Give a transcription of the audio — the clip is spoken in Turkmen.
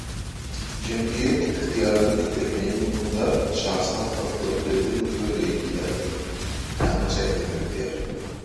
Jemgyýet ygtyýarynyň köpelmegi ugrunda şahsy azatlygyň belli bir bölegi pida edilýär, ýagny çäklendirilýär.